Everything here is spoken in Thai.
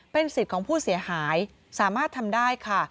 เป็นสิทธิ์ของผู้เสียหายสามารถทำได้ค่ะ